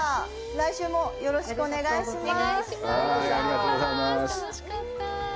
来週も、よろしくお願いします。